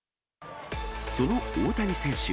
その大谷選手。